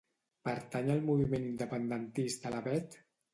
Pertany al moviment independentista la Bet?